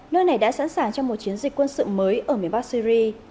nơi này đã sẵn sàng cho một chiến dịch quân sự mới ở miền bắc syri